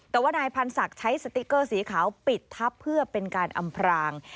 แต่ว่านายพันศักดิ์ใช้สติ๊กเกอร์สีขาวปิดทับเพื่อเป็นการอำพราง